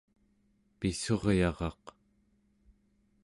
pissuryaraq